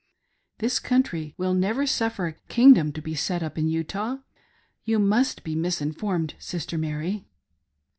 This country will never suffer a kingdom to be set up in Utah ; you must be misinformed, Sister Mary."